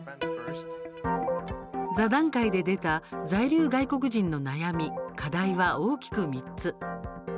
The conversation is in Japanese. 座談会で出た在留外国人の悩み課題は大きく３つ。